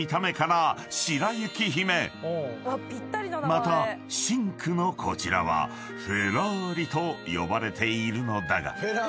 ［また深紅のこちらはフェラーリと呼ばれているのだが］